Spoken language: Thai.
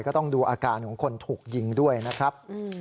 ก็ต้องดูอาการของคนถูกยิงด้วยนะครับ